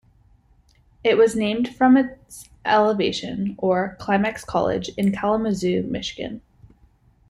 It was named from its elevation, or Climax College in Kalamazoo, Michigan.